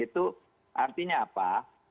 itu artinya apa